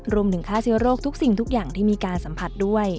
รวมถึงฆ่าเชื้อโรคทุกสิ่งทุกอย่างที่มีการสัมผัสด้วย